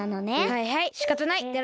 はいはいしかたない。